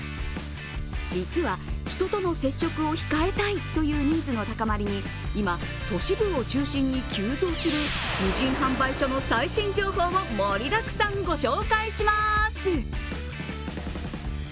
実は、人との接触を控えたいというニーズの高まりに今、都市部を中心に急増する無人販売所の最新情報を盛りだくさん、ご紹介します。